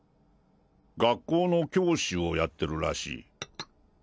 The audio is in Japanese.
学校の教師をやってるらしい。